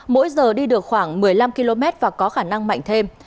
mỗi giờ đi được khoảng một mươi năm km và có khả năng mạnh thêm